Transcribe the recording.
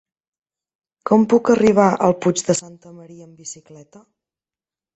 Com puc arribar al Puig de Santa Maria amb bicicleta?